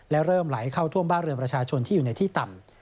และเริ่มไหลเข้าท่วมบ้านเรือนประชาชนที่อยู่ในที่ต่ำ